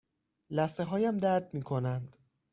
لثه هایم درد می کنند.